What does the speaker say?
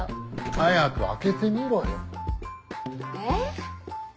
早く開けてみろよ。え？